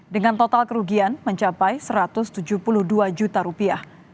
dengan total kerugian mencapai satu ratus tujuh puluh dua juta rupiah